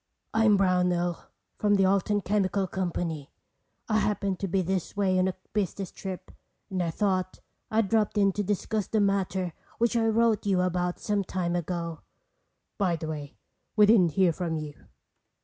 "I'm Brownell from the Alton Chemical Company. I happened to be this way on a business trip and thought I'd drop in to discuss that matter which I wrote you about some time ago. By the way, we didn't hear from you."